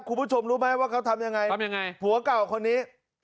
คุณผู้ชมรู้ไหมว่าเขาทำยังไงทำยังไงผัวเก่าคนนี้